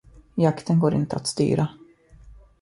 Jakten går inte att styra.